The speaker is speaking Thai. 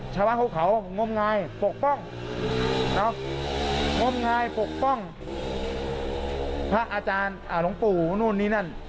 ชาวบ้านของเขางมงายปกป้องงมงายปกป้องพระอาจารย์หลวงปู่นู่นนี่นั่น